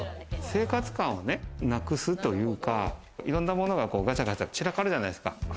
生活感をなくすというか、いろんなものがガチャガチャ散らかるじゃないですか。